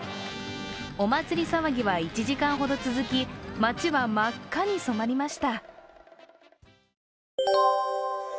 お祭り騒ぎは１時間ほど続き街は真っ赤に染まりました。